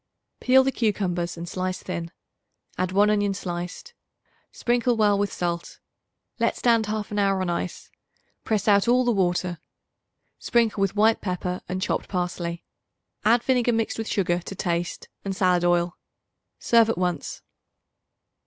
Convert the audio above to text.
Peel the cucumbers and slice thin; add 1 onion sliced. Sprinkle well with salt; let stand half an hour on ice; press out all the water; sprinkle with white pepper and chopped parsley. Add vinegar mixed with sugar, to taste, and salad oil. Serve at once.